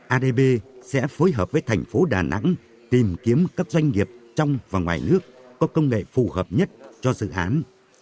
adb sẽ phối hợp với thành phố đà nẵng tìm kiếm các doanh nghiệp trong và ngoài nước có công nghệ phù hợp nhất cho dự án